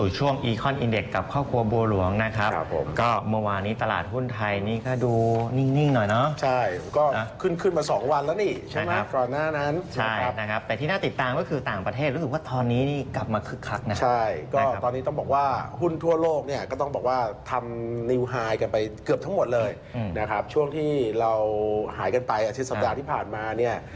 ช่วงที่เราหายกันไปอาทิตย์สัปดาห์ที่ผ่านมาเนี่ย